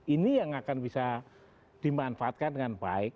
ini yang akan bisa dimanfaatkan dengan baik